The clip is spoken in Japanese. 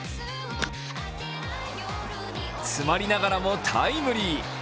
詰まりながらもタイムリー。